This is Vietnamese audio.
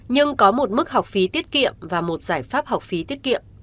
nhưng có một mức học phí tiết kiệm và một giải pháp học phí tiết kiệm